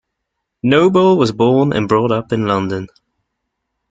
Noble was born and brought up in London.